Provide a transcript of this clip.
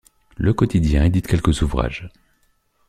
Le quotidien édite quelques ouvrages.